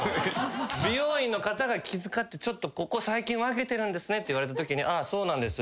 美容院の方が気遣って「ちょっとここ最近分けてるんですね」って言われたときにそうなんです。